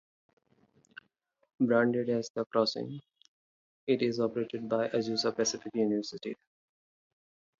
Branded as The Crossing, it is operated by Azusa Pacific University.